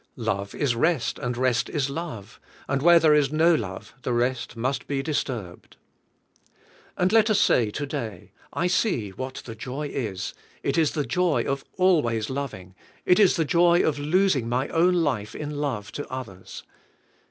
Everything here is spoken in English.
Love is rest and rest is love, and where there is no love the rest must be dis turbed." And let us say to day, "I see what the joy is; it is the joy of always loving, it is the joy of losing my own life in love to others."